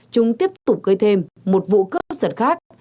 chúng tiếp tục gây thêm một vụ cướp giật khác